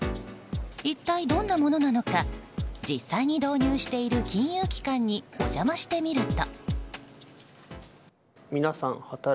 一体どんなものなのか実際に導入している金融機関にお邪魔してみると。